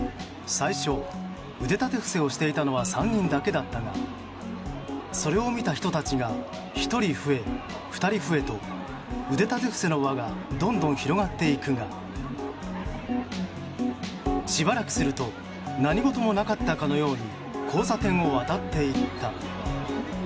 最初腕立て伏せをしていたのは３人だけだったがそれを見た人たちが１人増え、２人増えと腕立て伏せの輪がどんどん広がっていくがしばらくすると何事もなかったかのように交差点を渡っていった。